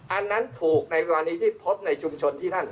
อันนั้นถูกในกรณีที่พบในชุมชนที่ท่าน